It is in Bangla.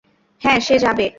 হ্যাঁ সে যাবে।